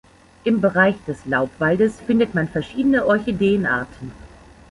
Im Bereich des Laubwaldes findet man verschiedene Orchideenarten.